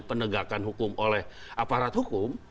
penegakan hukum oleh aparat hukum